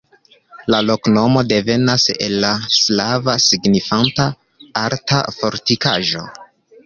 La loknomo devenas el la slava, signifanta: alta fortikaĵo.